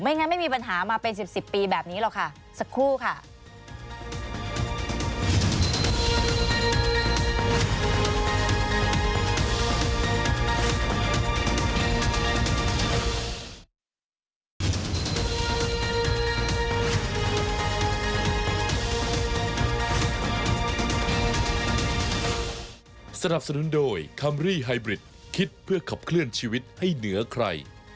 งั้นไม่มีปัญหามาเป็น๑๐ปีแบบนี้หรอกค่ะสักครู่ค่ะ